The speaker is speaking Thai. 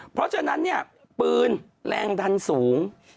เพราะฉะนั้นเนี่ยปืนแรงดันสูง